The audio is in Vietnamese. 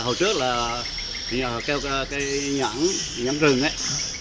hồi trước là cây nhãn rừng ấy